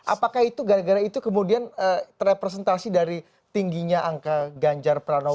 apakah itu gara gara itu kemudian terrepresentasi dari tingginya angka ganjar pranowo